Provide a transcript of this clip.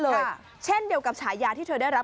เช่นเดียวกับฉายาที่เธอได้รับ